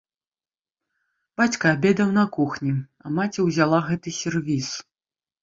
Бацька абедаў на кухні, а маці ўзяла гэты сервіз.